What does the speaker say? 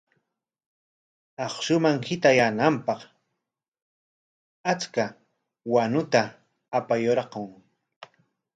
Akshuman hitayaananpaq achka wanuta apayarqun.